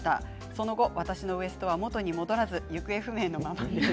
その後私、のウエストは元に戻らず行方不明のままです。